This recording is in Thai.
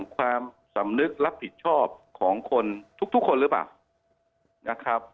ความสำนึกรับผิดชอบของคนทุกคนหรือปะ